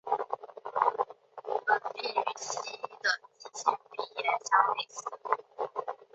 本病与西医的急性鼻炎相类似。